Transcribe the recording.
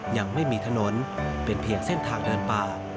ยังไม่มีถนนเป็นเพียงเส้นทางเดินป่า